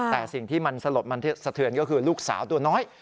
แต่สิ่งที่มันสลดมันสะเทือนก็คือลูกสาวตัวน้อย